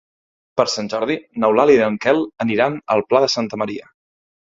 Per Sant Jordi n'Eulàlia i en Quel aniran al Pla de Santa Maria.